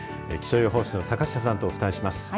気象予報士の坂下さんとお伝えします。